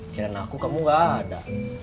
kirain aku kamu gak ada